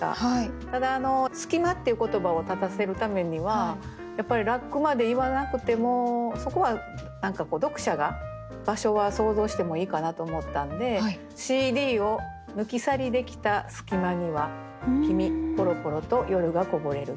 ただ「隙間」っていう言葉を立たせるためにはやっぱり「ラック」まで言わなくてもそこは読者が場所は想像してもいいかなと思ったんで「ＣＤを抜き去りできた隙間には君ぽろぽろと夜がこぼれる」。